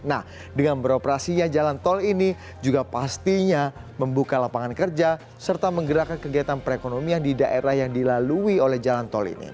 nah dengan beroperasinya jalan tol ini juga pastinya membuka lapangan kerja serta menggerakkan kegiatan perekonomian di daerah yang dilalui oleh jalan tol ini